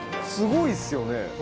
すごいっすよね。